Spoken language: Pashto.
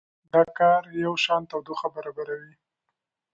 دا کار یوشان تودوخه برابروي.